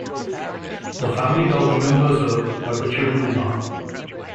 The family dog remembers her, but the children do not.